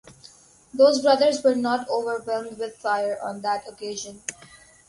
Those brothers were not "overwhelmed with fire" on that occasion.